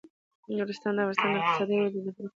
نورستان د افغانستان د اقتصادي ودې لپاره خورا ډیر ارزښت لري.